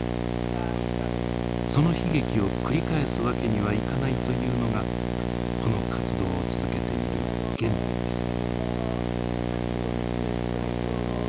その悲劇を繰り返すわけにはいかないというのがこの活動を続けている原点です。